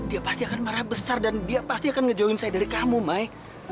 dia pasti akan marah bes amazon dan dia pasti akan jauhin saya dari kamu mai